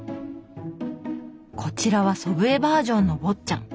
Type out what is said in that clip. こちらは祖父江バージョンの「坊っちゃん」。